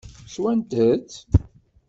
Swant-tt?